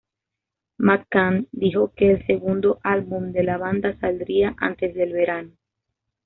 McCann dijo que el segundo álbum de la banda saldría antes del verano.